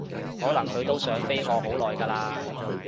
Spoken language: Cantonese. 可能佢都想飛我好耐㗎喇